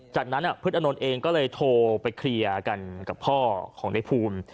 จากนั้นพฤษอนนท์เองก็เลยโทรไปเคลียร์กันกับพ่อของในภูมิ